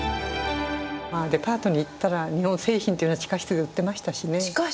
デパートに行ったら日本製品っていうのが地下室で売ってましたしね。